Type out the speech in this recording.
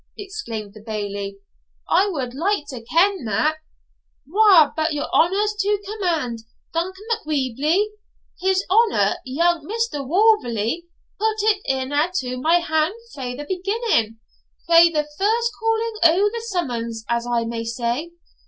exclaimed the Bailie; 'I wad like to ken that; wha but your honour's to command, Duncan Macwheeble? His honour, young Mr. Wauverley, put it a' into my hand frae the beginning frae the first calling o' the summons, as I may say.